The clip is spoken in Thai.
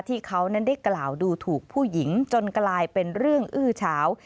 ที่เขานั้นได้กล่าวดูถูกผู้หญิงจนกลายเป็นเรื่องอื้อเฉา